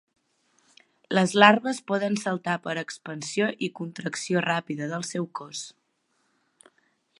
Les larves poden saltar per expansió i contracció ràpida del seu cos.